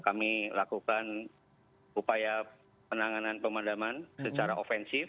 kami lakukan upaya penanganan pemadaman secara ofensif